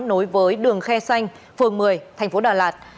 nối với đường khe xanh phường một mươi thành phố đà lạt